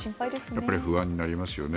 やっぱり不安になりますよね。